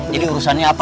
jadi urusannya apa